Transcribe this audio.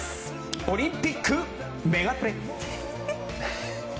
オリンピックメガプレ！